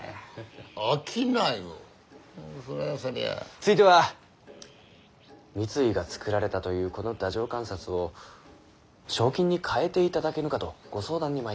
ついては三井が作られたというこの太政官札を正金に換えていただけぬかとご相談に参りました。